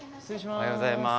おはようございます。